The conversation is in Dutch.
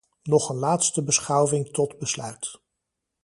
Nog een laatste beschouwing tot besluit.